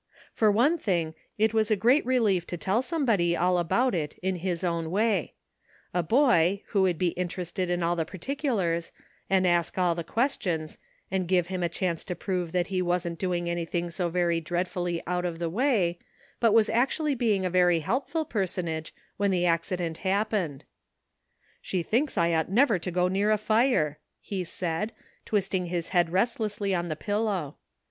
For one thing it was a great relief to tell somebody all about it in his own way ; a boy, who would be interested in all the particulars, and ask all the questions, and give him a chance to prove that he wasn't doing anything so very dread fully out of the way, but was actually being a very helpful personage when the accident happened. " She thinks I ought never to go near a fire," he said, twisting his head restlessly on the pil low.